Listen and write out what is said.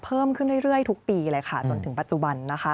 เพิ่มขึ้นเรื่อยทุกปีเลยค่ะจนถึงปัจจุบันนะคะ